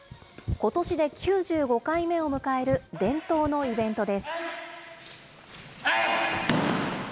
ことしで９５回目を迎える伝統のイベントです。